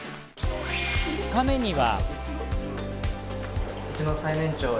２日目には。